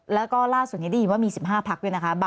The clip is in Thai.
แล้วก็ล่าสุดนี้ได้ยินว่ามี๑๕พักด้วยนะคะ